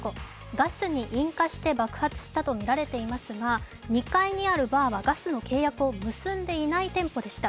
ガスに引火して爆発したとみられていますが、２階にあるバーはガスの契約を結んでいない店舗でした。